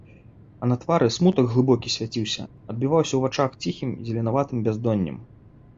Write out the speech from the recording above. А на твары смутак глыбокі свяціўся, адбіваўся ў вачах ціхім зеленаватым бяздоннем.